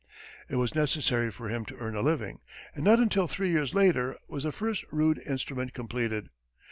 It was necessary for him to earn a living, and not until three years later was the first rude instrument completed.